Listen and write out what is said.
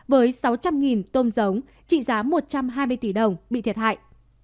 với sáu trăm linh tôm giống trị giá một trăm hai mươi tỷ đồng bị thiệt hại